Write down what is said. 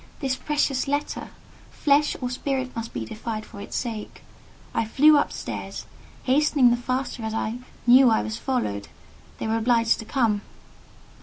This precious letter! Flesh or spirit must be defied for its sake. I flew up stairs, hastening the faster as I knew I was followed: they were obliged to come.